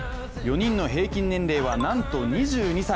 ４人の平均年齢はなんと２２歳。